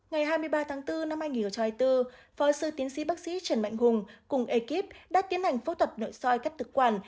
ngày hai mươi ba tháng bốn năm hai nghìn hai mươi bốn phó sư tiến sĩ bác sĩ trần mạnh hùng cùng ekip đã tiến hành phẫu thuật nội soi cắt thực quản